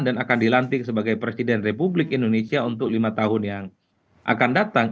dan akan dilantik sebagai presiden republik indonesia untuk lima tahun yang akan datang